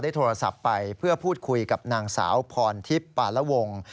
โทรศัพท์ไปเพื่อพูดคุยกับนางสาวพรทิพย์ปาละวง